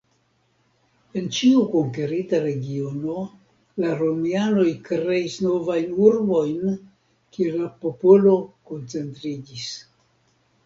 En ĉiu konkerita regiono la romianoj kreis novajn urbojn, kie la popolo koncentriĝis.